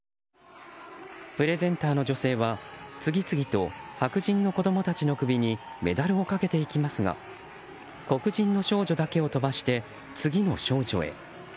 プレゼンターの女性は次々と白人の子供たちの首にメダルをかけていきますが黒人の少女だけを飛ばして次の少女へ。